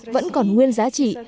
vẫn còn nguyên giá trị